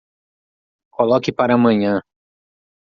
Coloque para amanhã.